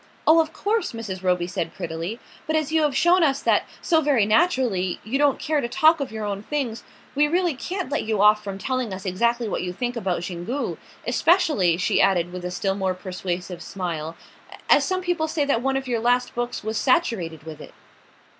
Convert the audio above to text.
"Oh, of course," Mrs. Roby said prettily; "but as you have shown us that so very naturally! you don't care to talk of your own things, we really can't let you off from telling us exactly what you think about Xingu; especially," she added, with a still more persuasive smile, "as some people say that one of your last books was saturated with it."